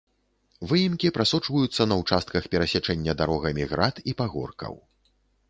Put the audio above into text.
Выемкі прасочваюцца на участках перасячэння дарогамі град і пагоркаў.